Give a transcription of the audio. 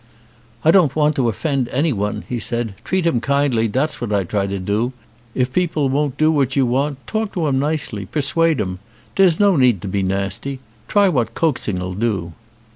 "I don't want to offend anyone," he said. "Treat 'em kindly, dat's what I try to do. If people won't do what you want talk to 'em nicely, persuade 'em. Dere's no need to be nasty. Try what coaxing*!! do."